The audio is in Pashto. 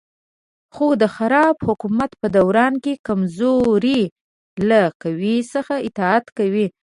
خو د خراب حکومت په دوران کې کمزوري له قوي څخه اطاعت کوي.